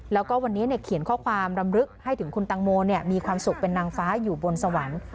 แล้วก็วันนี้เขียนข้อความรำลึกให้ถึงคุณตังโมมีความสุขเป็นนางฟ้าอยู่บนสวรรค์